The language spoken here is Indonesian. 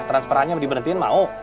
transferannya diberhentiin mau